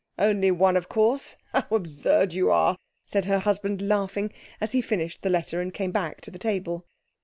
'Only one, of course. How absurd you are!' said her husband, laughing, as he finished the letter and came back to the table.